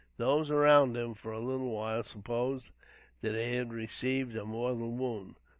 Those around him, for a little while, supposed that he had received a mortal wound.